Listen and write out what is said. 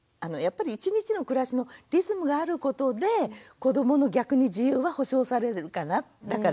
やっぱり一日の暮らしのリズムがあることで子どもの逆に自由は保障されるかなって。